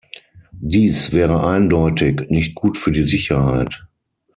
Dies wäre eindeutig nicht gut für die Sicherheit.